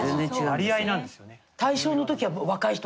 割合なんですよね。